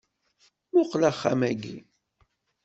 Muqel axxam-agi